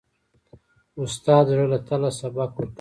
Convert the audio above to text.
استاد د زړه له تله سبق ورکوي.